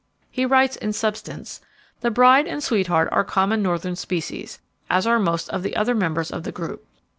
He writes in substance: "The Bride and Sweetheart are common northern species, as are most of the other members of the group.